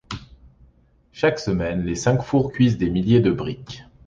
Chaque semaine, les cinq fours cuisent des milliers de briques.